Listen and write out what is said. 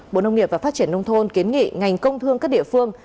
bộ nông nghiệp và phát triển nông thôn kiến nghị ngành công thương các địa phương